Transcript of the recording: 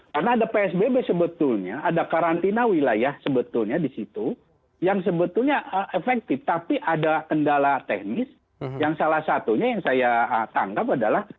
karena ada psbb sebetulnya ada karantina wilayah sebetulnya di situ yang sebetulnya efektif tapi ada kendala teknis yang salah satunya yang saya tangkap adalah